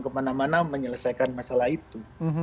kemana mana menyelesaikan masalah itu